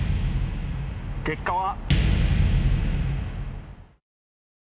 結果は。